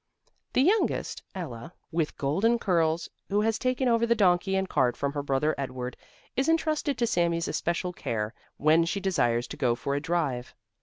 The youngest, Ella, with golden curls, who has taken over the donkey and cart from her brother Edward, is entrusted to Sami's especial care when she desires to go for a drive.